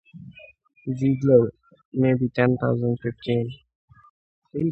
Ziegler: Maybe ten thousand - fifteen?